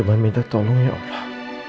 cuma minta tolong ya allah